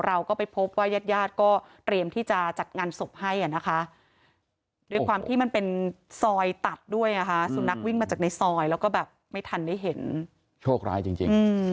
อาจจะมีการประกอบพิธีทางศาสตร์ของน้องปู